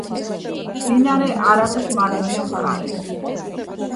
მდინარე არაგვის მარჯვენა მხარეს.